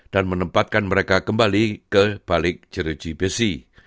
dan menempatkan mereka kembali ke balik jereji besi